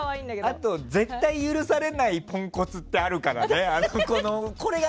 あと絶対許されないポンコツってあるからね。